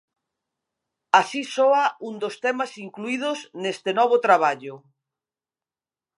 Así soa un dos temas incluídos neste novo traballo.